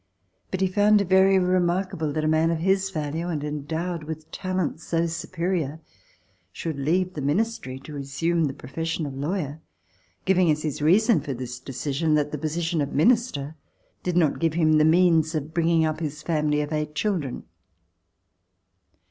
But he found It very remarkable that a man of his value, and endowed with talents so superior, should leave the Ministry to resume the profession of lawyer, giv ing as his reason for this decision that the position of Minister did not give him the means of bringing up his family of eight children.